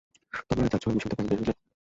তোমরা চাচ্ছো এই মিশন থেকে আমি বের হয়ে যাই?